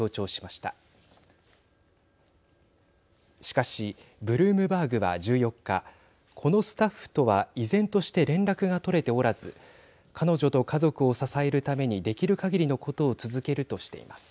しかし、ブルームバーグは１４日このスタッフとは依然として連絡が取れておらず彼女と家族を支えるためにできるかぎりのことを続けるとしています。